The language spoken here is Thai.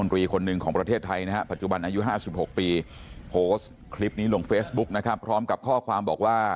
นี่คุณทักษิณนะครับ